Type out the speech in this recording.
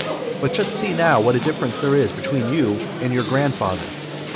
But just see now what a difference there is between you and your grandfather.